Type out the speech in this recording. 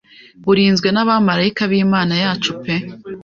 burinzwe nabamarayika bimana yacu pe